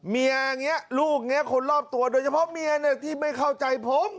เมียอย่างนี้ลูกนี้คนรอบตัวโดยเฉพาะเมียที่ไม่เข้าใจผม